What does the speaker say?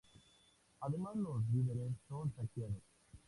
Además los víveres son saqueados.